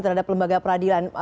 terhadap lembaga peradilan